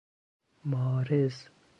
مارض